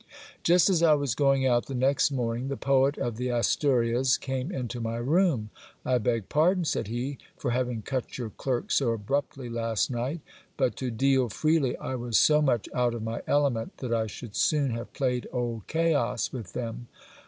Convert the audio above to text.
Just as I was going out the next morning, the poet of the Asturias came into my room. I beg pardon, said he, for having cut your clerks so abruptly last night ; but, to deal freely, I was so much out of my element, that I should soon have played old chaos with them.